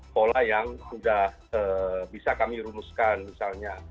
pola yang sudah bisa kami rumuskan misalnya